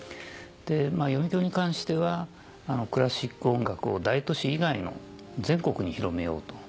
読響に関してはクラシック音楽を大都市以外の全国に広めようと。